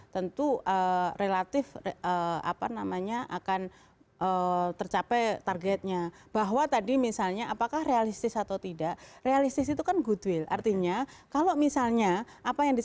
terpaksa tidak mengangkat telepon